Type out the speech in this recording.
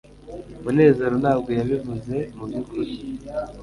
munezero ntabwo yabivuze mubyukuri